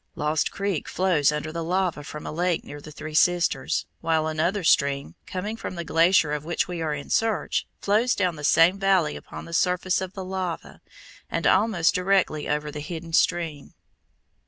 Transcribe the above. Lost Creek flows under the lava from a lake near the Three Sisters, while another stream, coming from the glacier of which we are in search, flows down the same valley upon the surface of the lava and almost directly over the hidden stream.